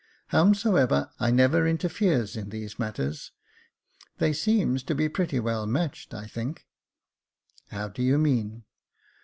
Howsomever, I never interferes in these matters j they seems to be pretty well matched, I think." " How do you mean